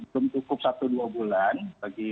belum cukup satu dua bulan bagi